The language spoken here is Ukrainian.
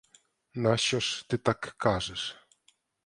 Нащо ж ти так кажеш?